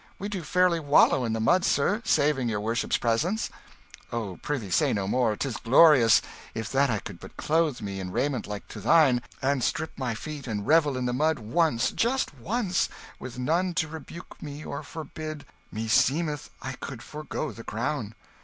we do fairly wallow in the mud, sir, saving your worship's presence." "Oh, prithee, say no more, 'tis glorious! If that I could but clothe me in raiment like to thine, and strip my feet, and revel in the mud once, just once, with none to rebuke me or forbid, meseemeth I could forego the crown!"